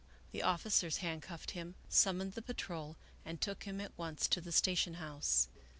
The officers handcuffed him, summoned the patrol, and took him at once to the station house.